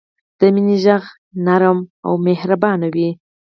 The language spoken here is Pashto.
د مینې ږغ نرم او مهربان وي.